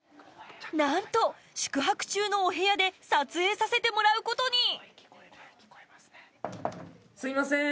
なんと宿泊中のお部屋で撮影させてもらうことにすいません。